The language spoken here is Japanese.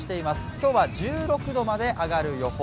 今日は１６度まで上がる予報。